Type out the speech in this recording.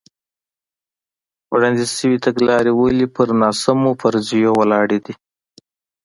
وړاندې شوې تګلارې ولې پر ناسمو فرضیو ولاړې دي.